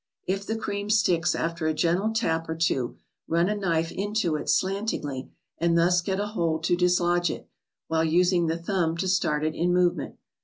If the cream sticks after a gentle tap or two, run a knife into it slantingly, and thus get a hold to dislodge it, while using the thumb to start it in movement.